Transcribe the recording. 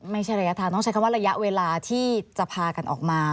ไม่ใช่ระยะทางต้องใช้คำว่าระยะเวลาที่จะพากันออกมา